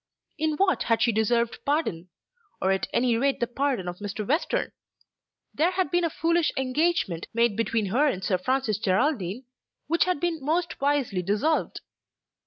In what had she deserved pardon; or at any rate the pardon of Mr. Western? There had been a foolish engagement made between her and Sir Francis Geraldine, which had been most wisely dissolved.